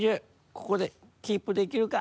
ここでキープできるか？